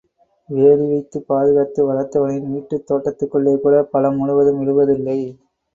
வேலிவைத்துப் பாதுகாத்து வளர்த்தவனின் வீட்டுத் தோட்டத்துக்குள்ளேகூடப் பழம் முழுவதும் விழுவதில்லை.